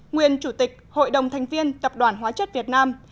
nguyên chủ tịch hội đồng thành viên tập đoàn hóa chất việt nam